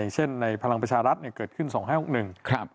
เช่นในพลังประชารัฐเนี่ยเกิดขึ้น๒๕๖๑